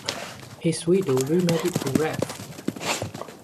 His widow remarried to Rev.